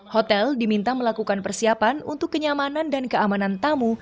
hotel diminta melakukan persiapan untuk kenyamanan dan keamanan tamu